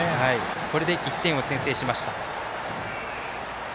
これで１点を先制しました。